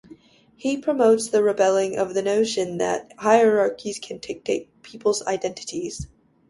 He promotes the rebelling of the notion that hierarchies can dictate people's identities.